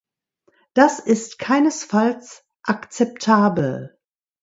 Das ist keinesfalls akzeptabel.